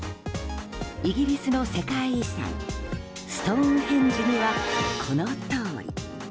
イギリスの世界遺産ストーンヘンジにはこのとおり。